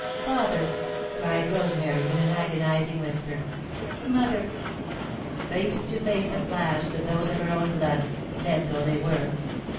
"Father!" cried Rosemary, in an agonising whisper. "Mother!" Face to face at last with those of her own blood, dead though they were!